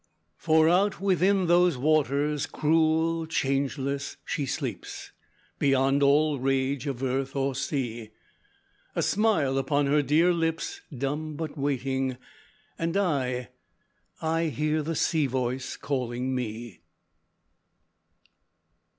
For out within those waters, cruel, changeless, She sleeps, beyond all rage of earth or sea; A smile upon her dear lips, dumb, but waiting, And I I hear the sea voice calling me.